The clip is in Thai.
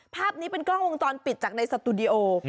ภาพนี้เป็นกล้องวงจรปิดจากในสตูดิโอ